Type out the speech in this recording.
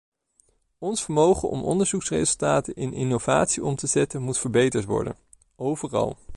Ons vermogen om onderzoeksresultaten in innovatie om te zetten moet verbeterd worden, overal.